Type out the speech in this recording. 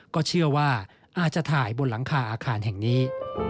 ก็เชื่อว่าอาจจะถ่ายบนหลังคาอาคารแห่งนี้